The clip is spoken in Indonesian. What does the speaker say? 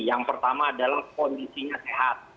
yang pertama adalah kondisinya sehat